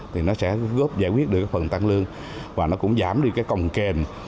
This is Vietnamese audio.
thì nó sẽ góp giải quyết được phần tăng lương và nó cũng giảm đi cái còng kền